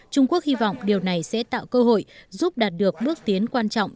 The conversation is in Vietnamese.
trung quốc hy vọng điều này sẽ tạo cơ hội giúp đạt được bước tiến quan trọng